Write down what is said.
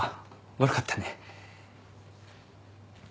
悪かったね。